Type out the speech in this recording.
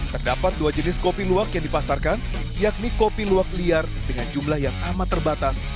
terdapat dua jenis kopi luwak yang dipasarkan yakni kopi luwak liar dengan jumlah yang amat terbatas